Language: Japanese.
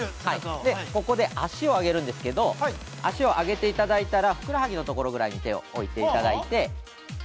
◆ここで足を上げるんですけど、足を上げていただいたらふくらはぎのところぐらいに手を置いていただいて。